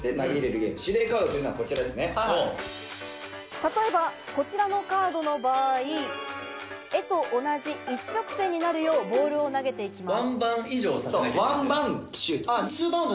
例えばこちらのカードの場合、絵と同じ一直線になるようボールを投げていきます。